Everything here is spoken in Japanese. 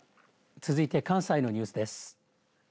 続いて関西のニュースです。